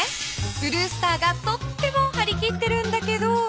ブルースターがとってもはり切ってるんだけど。